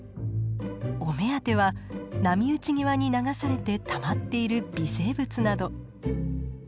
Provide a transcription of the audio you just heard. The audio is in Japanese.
お目当ては波打ち際に流されてたまっている微生物など。